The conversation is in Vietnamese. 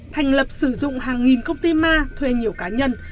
thành lập sử dụng hàng nghìn công ty ma thuê nhiều cá nhân